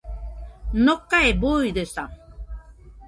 Nokae buidesa